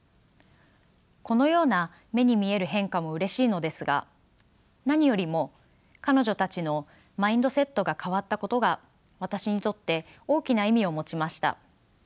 このような目に見える変化もうれしいのですが何よりも彼女たちのマインドセットが変わったことが私にとって大きな意味を持ちました。